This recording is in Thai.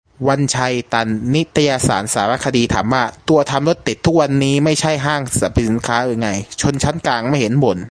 วันชัย ตัน นิตยสารสารคดี ถามว่า ตัวทำรถติดทุกวันนี่ ไม่ใช่ห้างสรรพสินค้าหรือไง ชนชั้นกลางไม่เห็นบ่น